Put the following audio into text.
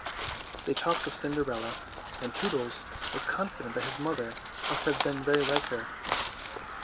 They talked of Cinderella, and Tootles was confident that his mother must have been very like her.